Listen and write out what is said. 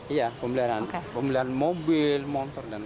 iya pembelian mobil motor dan lain lain